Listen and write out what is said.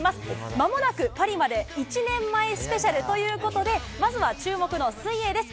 まもなくパリまで１年前スペシャルということで、まずは注目の水泳です。